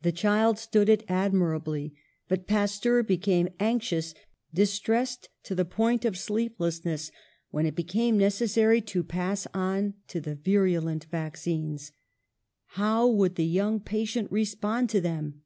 The child stood it admirably, but Pasteur became anxious, distressed to the point of sleeplessness, when it became necessary to pass on to the virulent vaccines. How would the young patient respond to them?